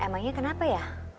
emangnya kenapa ya